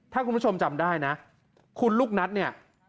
ถ้าคุณผู้ชมจำได้นะคุณลูกนัทเนี่ย